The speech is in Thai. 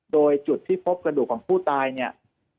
โดยจุดที่พบกระดูกของผู้ตายเนี่ย